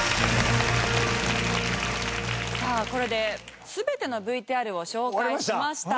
さあこれで全てのＶＴＲを紹介しました。